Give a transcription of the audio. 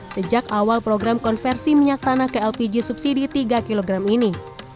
sejak awal program konversi minyak tanah ke lpg subsidi tiga kg ini